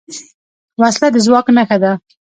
وسله د ځواک نښه ده